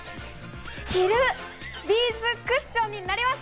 着るビーズクッションになりました！